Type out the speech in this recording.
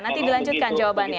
nanti dilanjutkan jawabannya